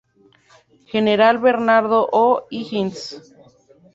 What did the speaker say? General Bernardo O’Higgins.